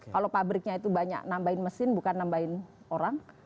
kalau pabriknya itu banyak nambahin mesin bukan nambahin orang